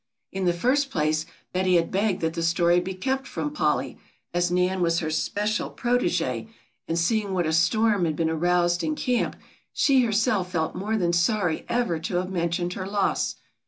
In the first place Betty had begged that the story be kept from Polly as Nan was her especial protegee, and seeing what a storm had been aroused in camp she herself felt more than sorry ever to have mentioned her loss.